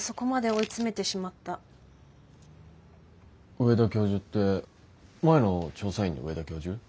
上田教授って前の調査委員の上田教授？